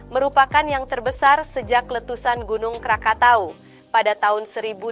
merupakan yang terbesar sejak letusan gunung krakatau pada tahun seribu delapan ratus